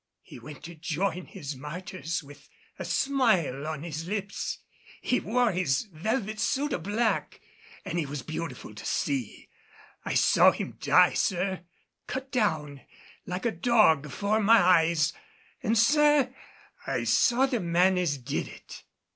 "He went to join his martyrs with a smile on his lips. He wore his velvet suit o' black, an' he was beautiful to see. I saw him die, sir, cut down like a dog afore my eyes. An', sir, I saw the man as did it."